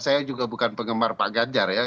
saya juga bukan penggemar pak ganjar ya